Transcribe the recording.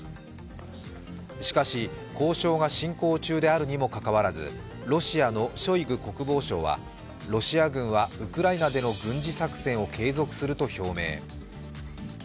しかし、交渉が進行中であるにもかかわらず、ロシアのショイグ国防相はロシア軍はウクライナでの軍事作戦を継続すると表明。